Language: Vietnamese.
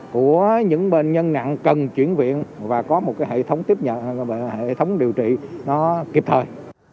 của những bệnh nhân nặng cần chuyển viện và có một hệ thống điều trị kịp thời